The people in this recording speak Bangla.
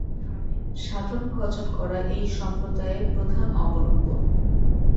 গুরুর নামে সাধন ভজন করা এই সম্প্রদায়ের প্রধান অবলম্বন।